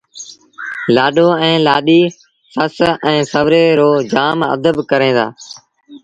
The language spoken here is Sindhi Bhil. لآڏو ائيٚݩ لآڏيٚ سس ائيٚݩ سُوري رو جآم ادب ڪريݩ دآ